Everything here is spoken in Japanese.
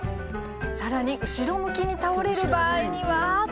さらに後ろ向きに倒れる場合には。